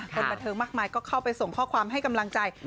คนบันเทิงมากมายก็เข้าไปส่งข้อความให้กำลังใจ